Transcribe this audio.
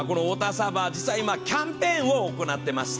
実は今キャンペーンを行っていまして。